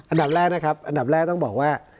อันดับแรกนะครับอันดับแรกต้องบอกว่า